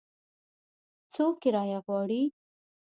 څو کرایه غواړي ؟